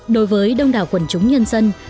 đối với đông đảo quần chúng nhân dân